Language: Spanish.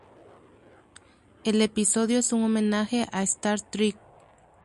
El episodio es un homenaje a Star Trek.